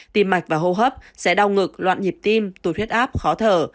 tim mạch và hô hấp sẽ đau ngực loạn nhịp tim tụt huyết áp khó thở